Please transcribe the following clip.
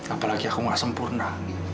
apalagi aku nggak sempurna